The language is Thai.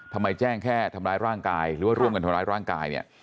แจ้งแค่ทำร้ายร่างกายหรือว่าร่วมกันทำร้ายร่างกายเนี่ย